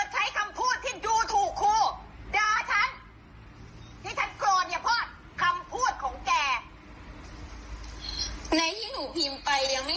เธอใช้คำพูดที่ดูถูกครูด่าฉัน